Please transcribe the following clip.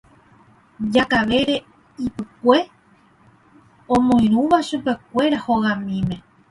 Jakavere Ypykue omoirũva chupekuéra hogamíme.